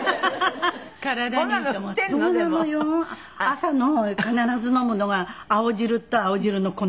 朝の必ず飲むのが青汁と青汁の粉。